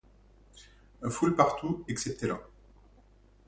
Foule partout, excepté là.